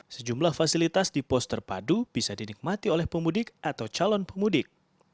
sejumlah fasilitas di pos terpadu bisa dinikmati oleh pemudik atau calon pemudik